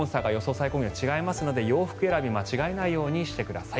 最高気温が違いますので洋服選び間違えないようにしてください。